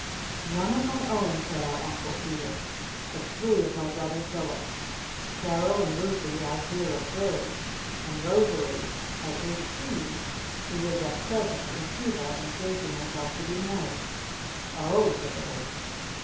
"None of my own," said our Uncle Peter. "But three of my brother Philip's, Carol and Ruthy as here observed, and Rosalee aet. eighteen who is at present in Cuba engaging herself to be married." "O h," said the Lady.